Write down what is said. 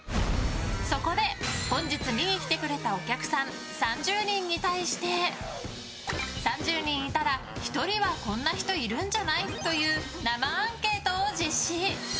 そこで本日、見に来てくれたお客さん３０人に対して３０人いたら１人はこんな人いるんじゃない？という生アンケートを実施。